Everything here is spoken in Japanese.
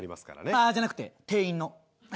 ああじゃなくて店員の。